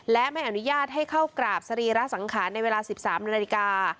และไม่อนุญาตให้เข้ากราบสรีระสังขารในเวลา๑๓นาฬิกา